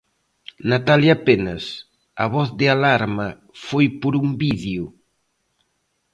Natalia Penas, a voz de alarma foi por un vídeo?